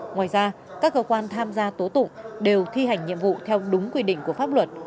ngoài ra các cơ quan tham gia tố tụng đều thi hành nhiệm vụ theo đúng quy định của pháp luật